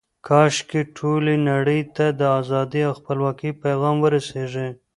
کاشکې ټولې نړۍ ته د ازادۍ او خپلواکۍ پیغام ورسیږي.